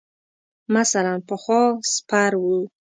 مثلاً پخوا سپر ؤ.